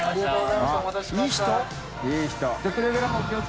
いい人。